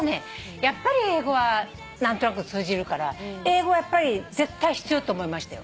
やっぱり英語は何となく通じるから英語はやっぱり絶対必要だと思いましたよ。